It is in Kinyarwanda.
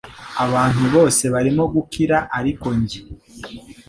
Abantu bose barimo gukira ariko njye